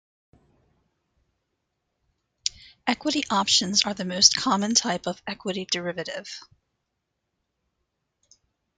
Equity options are the most common type of equity derivative.